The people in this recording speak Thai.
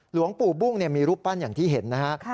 หลวงปู่บุ้งมีรูปปั้นอย่างที่เห็นนะฮะ